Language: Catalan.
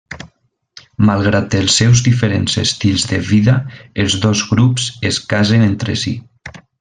Malgrat els seus diferents estils de vida, els dos grups es casen entre si.